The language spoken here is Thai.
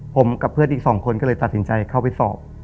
ผมกับเพื่อนอีก๒คนก็เลยตัดสินใจเข้าไปสอบ